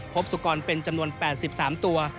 สุกรเป็นจำนวน๘๓ตัว